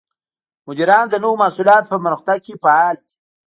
مدیران د نوو محصولاتو په پرمختګ کې فعال دي.